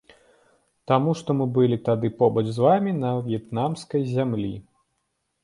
Таму што мы былі тады побач з вамі на в'етнамскай зямлі.